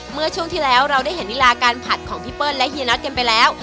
เมื่อช่วงที่แล้วเราได้เห็นลีลาการผัดของพี่เปิ้ลและเฮียน็อตกันไปแล้ว